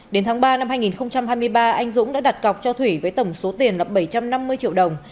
đến tháng ba năm hai nghìn hai mươi ba anh dũng đã đặt cọc cho thủy với tổng số tiền là bảy trăm năm mươi triệu đồng